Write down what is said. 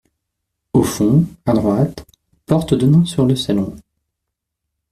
Au fond, à droite, porte donnant sur le salon.